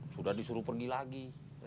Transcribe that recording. sudah disuruh pergi lagi